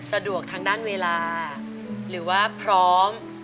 สะดวกทางด้านเวลาหรือว่าพร้อม